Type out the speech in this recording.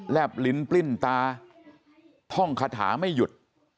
บลิ้นปลิ้นตาท่องคาถาไม่หยุด